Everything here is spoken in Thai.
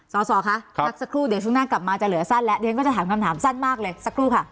สอสอคะพักสักครู่เดี๋ยวช่วงหน้ากลับมาจะเหลือสั้นแล้วเดี๋ยวฉันก็จะถามคำถามสั้นมากเลยสักครู่ค่ะ